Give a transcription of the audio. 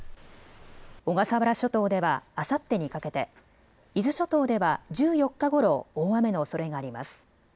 小笠原諸島ではあさってにかけて、伊豆諸島では１４日ごろ大雨のおそれがあります。